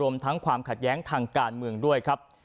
ทั้งความขัดแย้งทางการเมืองด้วยครับ